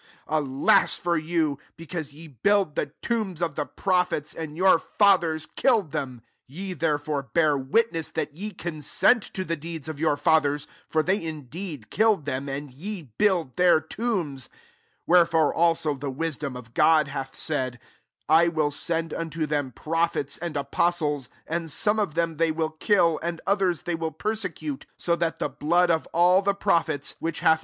47 Alas for yon ! be* cause ye build the tombs of tSbm prophets, and your fathers Idtt*! ed them. 48 Ye therefore bear witness that ye consent to ikm deeds of your fathers : for tiief indeed killed them, and yej build [their tombs.] 49 " Wherefore also the wis*] dom of God hath said, « I wiB send unto them prophets waA apostles ; and some of them ^MT will kill, and others they w» persecute : 50 so that the blood of all the prophets which hath LUKE XII.